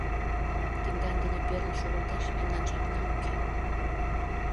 Тендан дене перныл шогылташ мемнан жапна уке.